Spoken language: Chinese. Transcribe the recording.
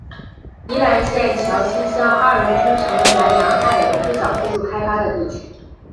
宜兰县礁溪乡二龙村成为兰阳汉人最早居住开发的地区。